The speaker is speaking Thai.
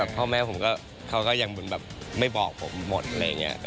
พ่อแม่ผมก็เขาก็ยังไม่บอกผมหมดอะไรอย่างนี้